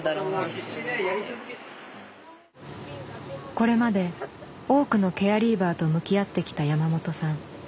これまで多くのケアリーバーと向き合ってきた山本さん。